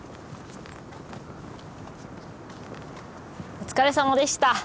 お疲れさまでした。